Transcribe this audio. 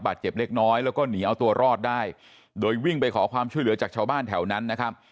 เจ็บเล็กน้อยแล้วก็หนีเอาตัวรอดได้โดยวิ่งไปขอความช่วยเหลือจากชาวบ้านแถวนั้นนะครับ